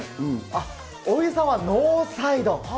あっ、尾木さんはノーサイド。